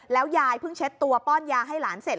ยายเพิ่งเช็ดตัวป้อนยาให้หลานเสร็จ